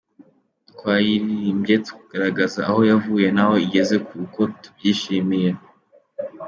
Twayiririmbye tugaragaza aho yavuye n'aho igeze kuko tubyishimiye.